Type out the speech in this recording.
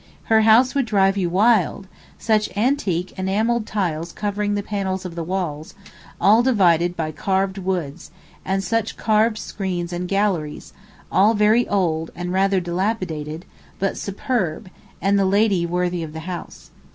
Her house would drive you wild, such antique enamelled tiles covering the panels of the walls, all divided by carved woods, and such carved screens and galleries, all very old and rather dilapidated, but superb, and the lady worthy of the house.